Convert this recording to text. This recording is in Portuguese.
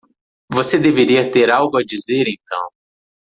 Você deveria ter algo a dizer então!